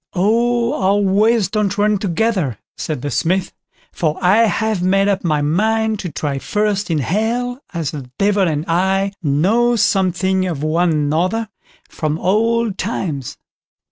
"Oh, our ways don't run together", said the Smith; "for I have made up my mind to try first in Hell, as the Devil and I know something of one another, from old times."